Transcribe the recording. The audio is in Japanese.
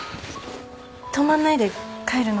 泊まんないで帰るの？